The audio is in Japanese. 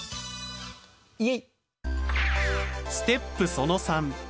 イエイ！